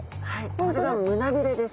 これが胸びれです。